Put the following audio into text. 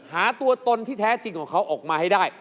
หาตัวตนที่แท้จริงของเขาออกมาให้ได้